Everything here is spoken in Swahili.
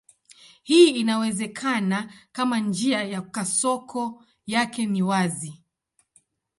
Hii inawezekana kama njia ya kasoko yake ni wazi.